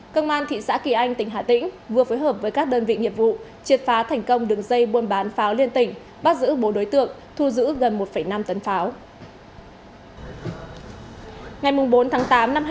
công an thị xã kỳ anh tỉnh hà tĩnh vừa phối hợp với các đơn vị nghiệp vụ triệt phá thành công đường dây buôn bán pháo liên tỉnh bắt giữ bố đối tượng thu giữ gần một năm tấn pháo